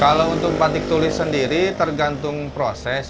kalau untuk batik tulis sendiri tergantung proses